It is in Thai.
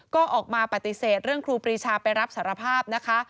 ก็ออกมาปฏิเสธเรื่องครูปรีชาไปรับสารภาพนะคะ